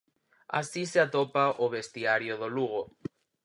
Así se atopa o vestiario do Lugo.